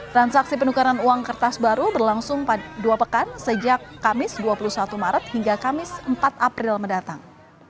transaksi penukaran uang kertas baru berlangsung dua pekan sejak kamis dua puluh satu maret hingga kamis empat april mendatang